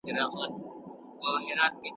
د خرقې دام.